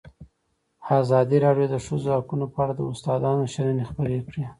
ازادي راډیو د د ښځو حقونه په اړه د استادانو شننې خپرې کړي.